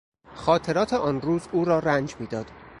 خاطرات آن روز او را رنج میداد.